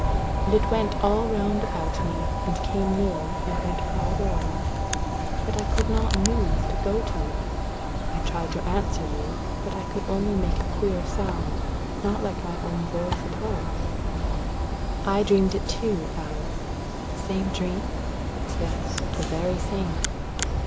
And it went all round about me, and came nearer, and went farther off, but I could not move to go to you. I tried to answer you, but I could only make a queer sound, not like my own voice at all." "I dreamed it too, Alice." "The same dream?" "Yes, the very same."